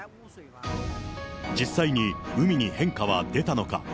実際に海に変化は出たのか。